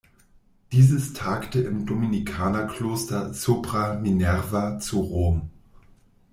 Dieses tagte im Dominikanerkloster Sopra Minerva zu Rom.